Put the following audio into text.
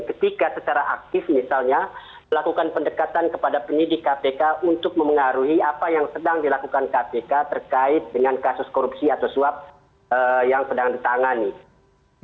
ketika secara aktif misalnya melakukan pendekatan kepada penyidik kpk untuk memengaruhi apa yang sedang dilakukan kpk terkait dengan kasus korupsi atau suap yang sedang ditangani